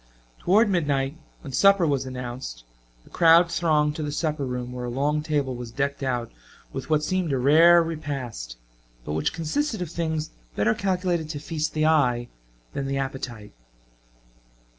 Toward midnight, when supper was announced, the crowd thronged to the supper room where a long table was decked out with what seemed a rare repast, but which consisted of things better calculated to feast the eye than the appetite.